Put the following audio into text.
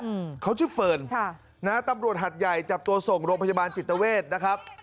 อืมเขาชื่อเฟิร์นค่ะนะฮะตำรวจหัดใหญ่จับตัวส่งโรงพยาบาลจิตเวทนะครับ